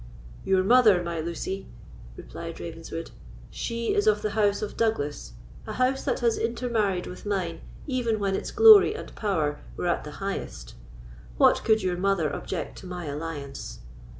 "Your mother, my Lucy!" replied Ravenswood. "She is of the house of Douglas, a house that has intermarried with mine even when its glory and power were at the highest; what could your mother object to my alliance?"